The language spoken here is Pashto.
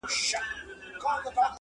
د کمبلي پر يوه سر غم دئ، پر بل ښادي.